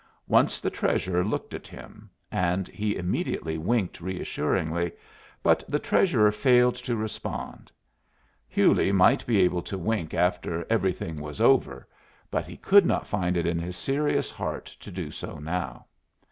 Once the Treasurer looked at him, and he immediately winked reassuringly, but the Treasurer failed to respond. Hewley might be able to wink after everything was over, but he could not find it in his serious heart to do so now.